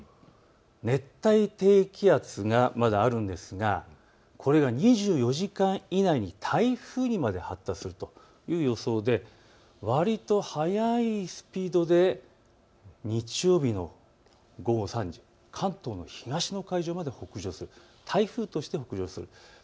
熱帯低気圧がまだあるんですがこれが２４時間以内に台風にまで発達するという予想でわりと速いスピードで日曜日の午後３時、関東の東の海上まで北上する、台風として北上する。